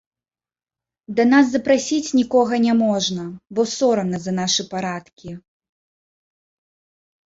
Да нас запрасіць нікога няможна, бо сорамна за нашы парадкі.